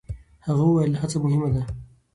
هغه وویل، هڅه مهمه ده.